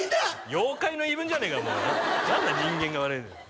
妖怪の言い分じゃねえかもう何だ「人間が悪いんだ」